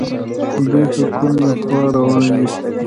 دوی په کومې خوا روان دي